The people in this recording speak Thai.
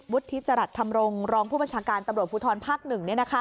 วุฒิจรรย์ธรรมรงค์รองผู้ประชาการตำรวจภูทรภักดิ์หนึ่ง